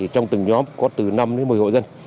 trong từng nhóm có từ năm đến một mươi hộ dân